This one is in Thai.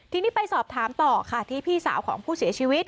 ทีนี้ไปสอบถามต่อค่ะที่พี่สาวของผู้เสียชีวิต